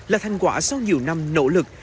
là thành quả sau nhiều năm nỗ lực